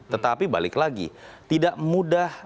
tetapi balik lagi tidak mudah